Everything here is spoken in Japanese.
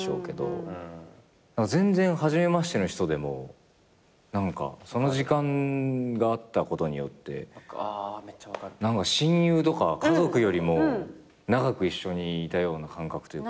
全然初めましての人でもその時間があったことによって何か親友とか家族よりも長く一緒にいたような感覚というか。